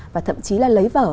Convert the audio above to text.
và thậm chí là lấy vở